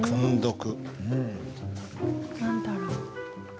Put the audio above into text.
何だろう？